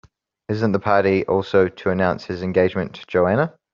Isn't the party also to announce his engagement to Joanna?